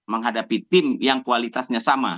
menghadapi tim yang kualitasnya sama